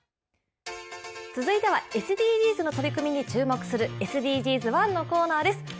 続いてはＳＤＧｓの取り組みに注目するＳＤＧｓワンです。